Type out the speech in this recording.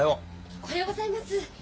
おはようございます。